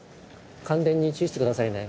感電に注意して下さいね。